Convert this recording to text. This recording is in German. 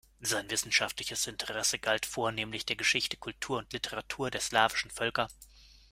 Sein wissenschaftliches Interesse galt vornehmlich der Geschichte, Kultur und Literatur der slawischen Völker.